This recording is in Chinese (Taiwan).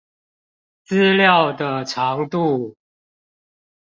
資料的長度